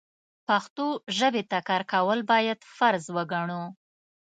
پښتو ژبې ته کار کول بايد فرض وګڼو.